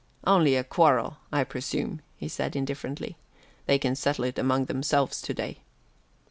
"Only a quarrel, I presume," said he indifferently, "they can settle it among themselves, to day."